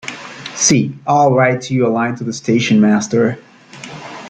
See, I'll write you a line to the station-master.